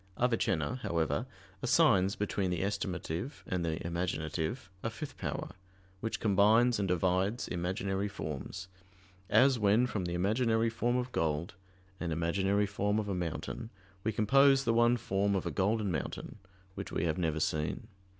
Avicenna, however, assigns between the estimative and the imaginative, a fifth power, which combines and divides imaginary forms: as when from the imaginary form of gold, and imaginary form of a mountain, we compose the one form of a golden mountain, which we have never seen.